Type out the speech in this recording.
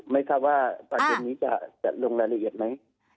ไม่ทราบว่าปัจจุนนี้จะลงรายละเอียดไหม